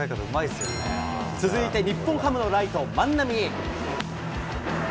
続いて日本ハムのライト、万波。